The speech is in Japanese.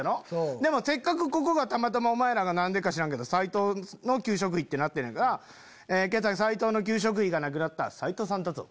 でもせっかくここがたまたまお前らが何でか知らんけど「斎藤の給食費」ってなってんやから「今朝斎藤の給食費がなくなった斎藤さんだぞ」。